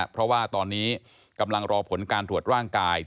เพราะว่าตอนนี้กำลังรอผลการตรวจร่างกาย